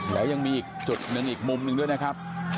แล้วยังมีอีกจุดหนึ่งอีกมุมหนึ่งด้วยนะครับ